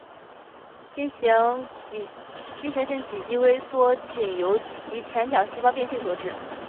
进行性脊肌萎缩仅由脊髓前角细胞变性所致。